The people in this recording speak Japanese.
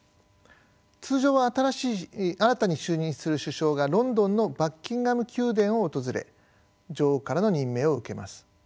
通常は新たに就任する首相がロンドンのバッキンガム宮殿を訪れ女王からの任命を受けます。